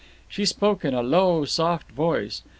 She spoke in a low, soft voice.